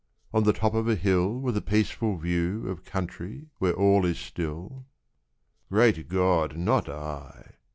"On the top of a hill With a peaceful view Of country where all is still?"... Great God, not I!